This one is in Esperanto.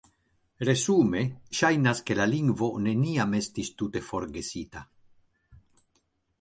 Resume, ŝajnas, ke la lingvo neniam estis tute forgesita.